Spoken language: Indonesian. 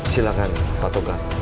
silahkan pak togar